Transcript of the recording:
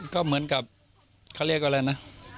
ก็เหมือนกับเขาเรียกอะไรนะ